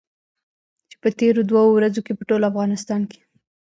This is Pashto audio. چې په تېرو دوو ورځو کې په ټول افغانستان کې.